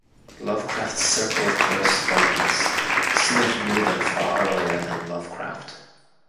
Lovecraft's circle of correspondents; Smith knew them far earlier than Lovecraft.